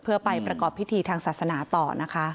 เพื่อไปประกอบพิธีทางศาสนาต่อนะคะ